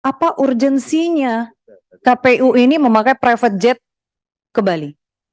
apa urgensinya kpu ini memakai private jet ke bali